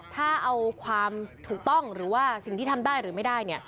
ถ้าเอาความถูกต้องหรือว่าสิ่งที่ทำได้หรือไม่ได้